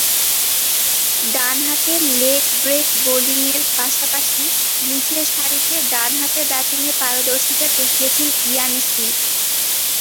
ডানহাতে leg break বোলিংয়ের পাশাপাশি নিচেরসারিতে ডানহাতে ব্যাটিংয়ে পারদর্শীতা দেখিয়েছেন ইয়ান স্মিথ।